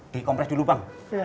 di kompres dulu bang